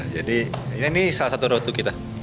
jadi ini salah satu rotu kita